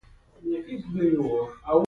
شوراګانې مصداقیت ثابت کاندي.